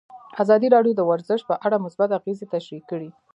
ازادي راډیو د ورزش په اړه مثبت اغېزې تشریح کړي.